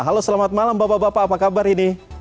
halo selamat malam bapak bapak apa kabar ini